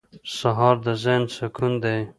سهار د ذهن سکون دی.